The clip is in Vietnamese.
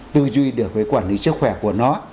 tư duy được với quản lý sức khỏe của nó